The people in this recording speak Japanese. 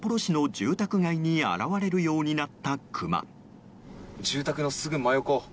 住宅のすぐ真横。